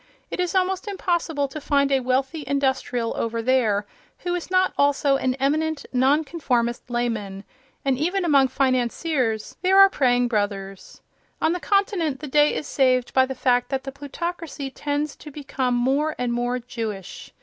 It is almost impossible to find a wealthy industrial over there who is not also an eminent non conformist layman, and even among financiers there are praying brothers. On the Continent, the day is saved by the fact that the plutocracy tends to become more and more Jewish.